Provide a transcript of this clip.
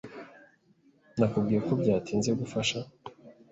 Nakubwiye ko byatinze gufasha .